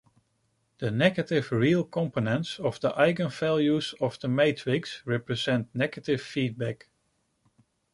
The negative real components of the eigenvalues of the matrix represent negative feedback.